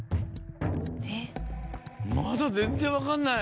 まだ全然分かんない。